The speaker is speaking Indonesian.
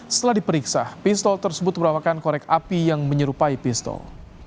setelah diperiksa pistol tersebut merupakan korek api yang menyerupai pistol